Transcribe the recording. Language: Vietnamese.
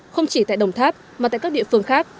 không chỉ tại đồng tháp mà tại các địa phương khác